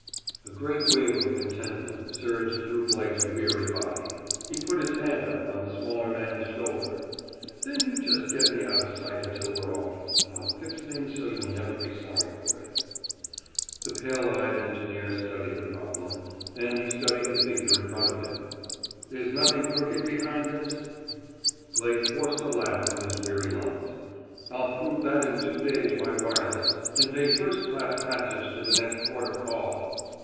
A great wave of contentment surged through Blake's weary body. He put his hand up on the smaller man's shoulder. "Then you just get me out o' sight until we're off, and I'll fix things so you'll never be sorry for it!" The pale eyed engineer studied the problem. Then he studied the figure in front of him. "There's nothing crooked behind this?" Blake forced a laugh from his weary lungs. "I'll prove that in two days by wireless—and pay first class passage to the next port of call!"